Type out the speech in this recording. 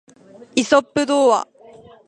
イソップ童話